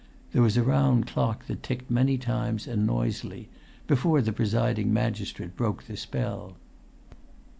There was a round clock that ticked many times and noisily before the presiding magistrate broke the spell.